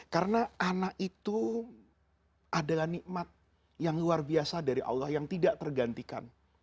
karena anak itu adalah nikmat yang luar biasa dari allah yang tidak tergantikan